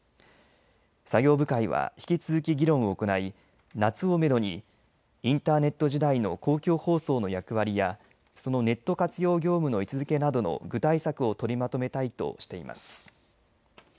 作業部会は引き続き議論を行い夏をめどにインターネット時代の公共放送の役割やそのネット活用業務の位置づけなどの具体策を取りまとめたいとしています。